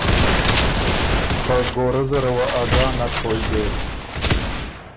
خه کُورۀ زره وه ا ځان نک پویٛ دېک